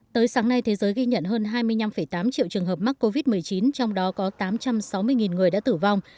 tới sáng nay thế giới ghi nhận hơn hai mươi năm tám triệu trường hợp mắc covid một mươi chín trong đó có tám trăm sáu mươi người đã tử vong